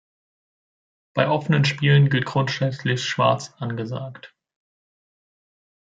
Bei offenen Spielen gilt grundsätzlich "schwarz angesagt".